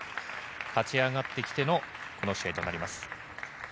勝ち上がってきてのこの試合となります。